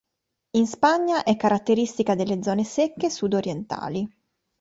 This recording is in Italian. In Spagna è caratteristica delle zone secche sud-orientali.